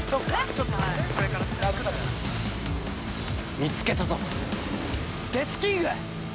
◆見つけたぞ、デスキング！